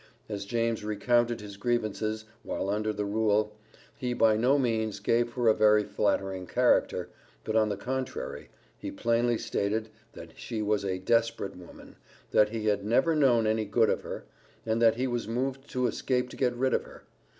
As James recounted his grievances, while under the rule, he by no means gave her a very flattering character, but, on the contrary, he plainly stated, that she was a "desperate woman" that he had "never known any good of her," and that he was moved to escape to get rid of her.